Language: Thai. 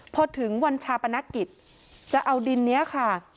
พอถึงวันชาปนกิจจะเอาดินนี้ค่ะ